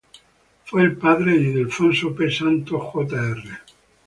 Fue el padre de Ildefonso P. Santos, Jr.